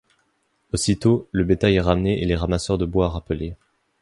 Aussitôt, le bétail est ramené et les ramasseurs de bois rappelés.